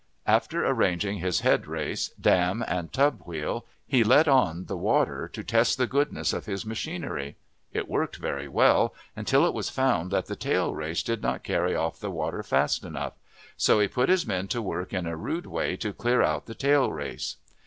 After arranging his head race, dam and tub wheel, he let on the water to test the goodness of his machinery. It worked very well until it was found that the tail race did not carry off the water fast enough, so he put his men to work in a rude way to clear out the tail race.